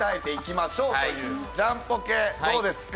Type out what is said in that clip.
ジャンポケどうですか？